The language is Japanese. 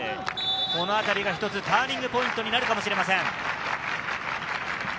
このあたりが一つターニングポイントになるかもしれません。